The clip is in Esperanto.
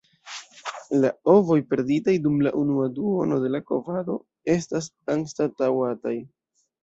La ovoj perditaj dum la unua duono de la kovado estas anstataŭataj.